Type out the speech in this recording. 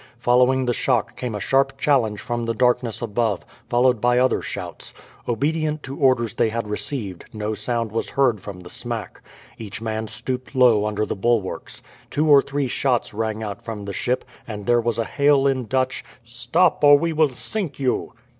Following the shock came a sharp challenge from the darkness above, followed by other shouts. Obedient to orders they had received, no sound was heard from the smack. Each man stooped low under the bulwarks. Two or three shots rang out from the ship, and there was a hail in Dutch "Stop, or we will sink you."